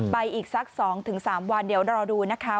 อีกสัก๒๓วันเดี๋ยวรอดูนะคะ